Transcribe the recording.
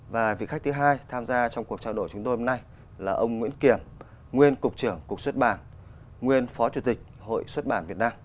và vị khách thứ hai tham gia trong cuộc trao đổi chúng tôi hôm nay là ông nguyễn kiểm nguyên cục trưởng cục xuất bản nguyên phó chủ tịch hội xuất bản việt nam